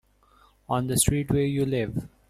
On the street where you live.